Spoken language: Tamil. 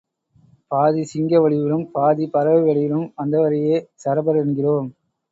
பாதி சிங்க வடிவிலும், பாதி பறவை வடிவிலும் வந்தவரையே சரபர் என்கிறோம்.